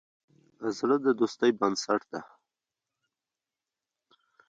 زړه د دوستی بنسټ دی.